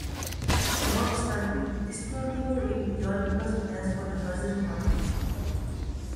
No obstante, este último emitió algunas monedas con la faz de su madre.